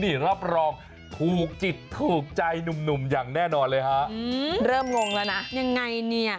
นะแต่เฮ้ยทั้งแต่สิทธิ์เราได้เยอะขนาดนี้